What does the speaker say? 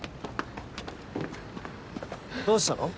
どうしたの？